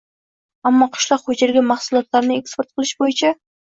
ammo qishloq xo‘jaligi mahsulotlarini eksport qilish bo‘yicha